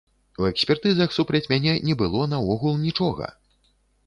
У экспертызах супраць мяне не было наогул нічога!